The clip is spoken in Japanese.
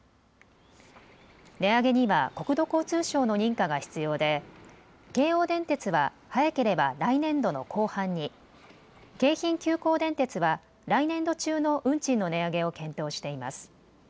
値上げには国土交通省の認可が必要で京王電鉄は早ければ来年度の後半に、京浜急行電鉄は来年度中の運賃の値上げを検討しています。